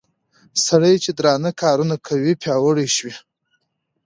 سړي چې درانه کارونه کول پياوړى شو